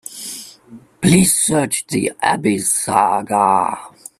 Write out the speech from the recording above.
Please search the Abby saga.